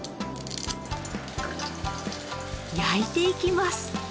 焼いていきます。